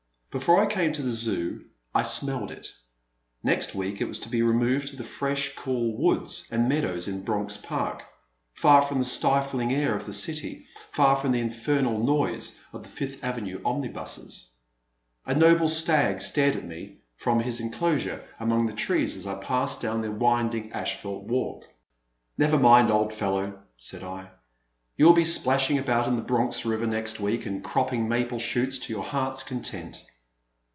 Before I came to the Zoo I smelled it. Next week it was to be removed to the fresh cool woods and meadows in Bronx Park, far from the stifling air of the city, far from the infernal noise of the Fifth Avenue omnibuses. A noble stag stared at me from his enclosure 316 A Pleasant Evening. 3 1 7 among the trees as I passed down the winding asphalt walk. Never mind, old fellow.*' said I, you will be splashing about in the Bronx River next week and cropping maple shoots to your heart's content."